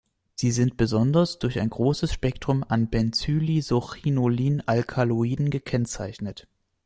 Sie sind besonders durch ein großes Spektrum an Benzylisochinolin-Alkaloiden gekennzeichnet.